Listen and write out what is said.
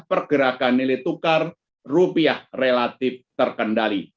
pergerakan nilai tukar rupiah relatif terkendali